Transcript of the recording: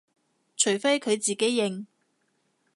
除非佢自己認